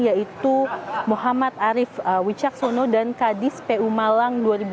yaitu muhammad arief wicaksono dan kadis pu malang dua ribu dua puluh